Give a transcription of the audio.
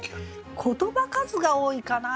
言葉数が多いかな